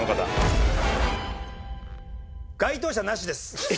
該当者なしです。